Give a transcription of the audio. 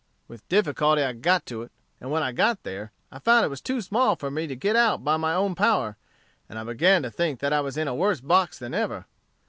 "With difficulty I got to it, and when I got there, I found it was too small for me to get out by my own power, and I began to think that I was in a worse box than ever.